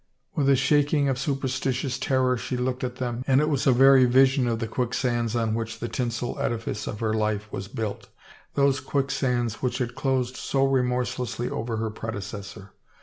" With a shaking of superstitious terror she looked at them and it was a very vision of the quicksands on which the tinsel edifice of her life was built, those quicksands which had closed so remorselessly over her predecessor.